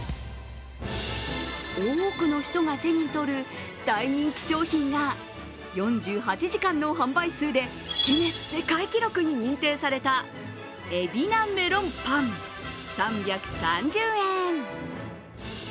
多くの人が手に取る大人気商品が４８時間の販売数でギネス世界記録に認定された海老名メロンパン３３０円。